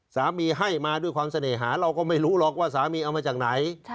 สามีให้มาด้วยความเสน่หาเราก็ไม่รู้หรอกว่าสามีเอามาจากไหน